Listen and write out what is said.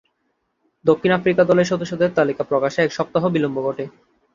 দক্ষিণ আফ্রিকা দলের সদস্যদের তালিকা প্রকাশে এক সপ্তাহ বিলম্ব ঘটে।